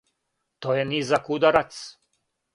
То је низак ударац.